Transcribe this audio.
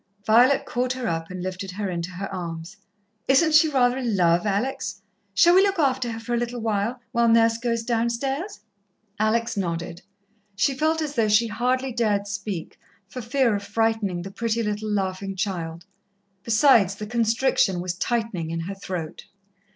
Violet caught her up and lifted her into her arms. "Isn't she rather a love, Alex? Shall we look after her for a little while, while Nurse goes downstairs?" Alex nodded. She felt as though she hardly dared speak, for fear of frightening the pretty little laughing child. Besides, the constriction was tightening in her throat.